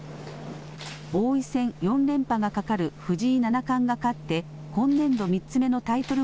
王位戦４連覇がかかる藤井七冠が勝って今年度３つ目のタイトル